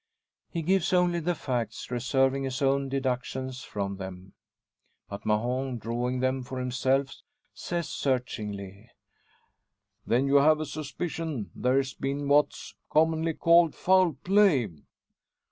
He gives only the facts, reserving his own deductions from them. But Mahon, drawing them for himself, says searchingly "Then you have a suspicion there's been what's commonly called foul play?"